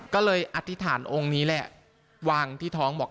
ก็เลยอธิษฐานองค์นี้แหละวางที่ท้องบอก